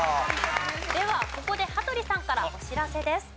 ではここで羽鳥さんからお知らせです。